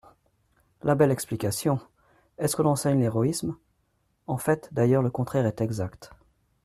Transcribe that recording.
La belle explication ! Est-ce qu'on enseigne l'héroïsme ? En fait, d'ailleurs, le contraire est exact.